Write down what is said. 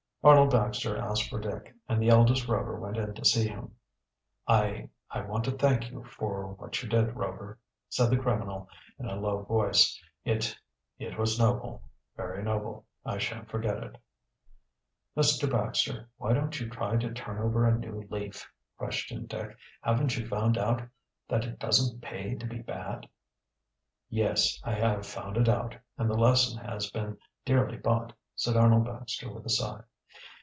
Arnold Baxter asked for Dick and the eldest Rover went in to see him. "I I want to thank you for what you did, Rover," said the criminal in a low voice. "It it was noble, very noble. I shan't forget it." "Mr. Baxter, why don't you try to turn over a new leaf?" questioned Dick. "Haven't you found out that it doesn't pay to be bad?" "Yes, I have found it out, and the lesson has been dearly bought," said Arnold Baxter with a sigh.